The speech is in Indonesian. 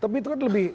tapi itu kan lebih